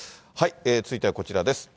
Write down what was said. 続いてはこちらです。